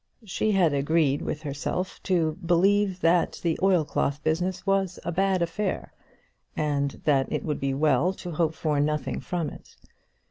She had agreed with herself to believe that the oilcloth business was a bad affair, and that it would be well to hope for nothing from it.